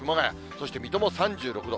そして水戸も３６度。